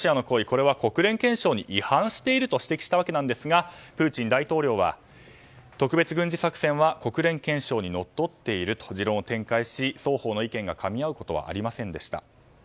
これは国連憲章に違反していると指摘したんですがプーチン大統領は特別軍事作戦は国連憲章にのっとっていると持論を展開し双方の意見がかみ合うことはありませんでした。